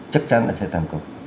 chắc chắn là sẽ thành công